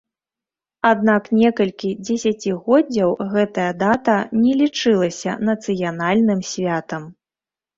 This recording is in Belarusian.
Аднак некалькі дзесяцігоддзяў гэтая дата не лічылася нацыянальным святам.